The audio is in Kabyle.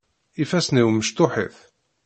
Ifassen-iw mecṭuḥit.